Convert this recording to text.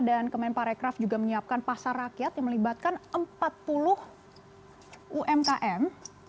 dan kemenparekraf juga menyiapkan pasar rakyat yang melibatkan empat puluh umkm